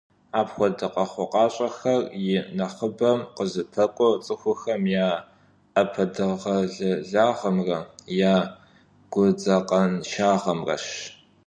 Апхуэдэ къэхъукъащӀэхэр и нэхъыбэм «къызыпэкӀуэр» цӀыхухэм я Ӏэпэдэгъэлэлагъымрэ я гудзакъэншагъэмрэщ.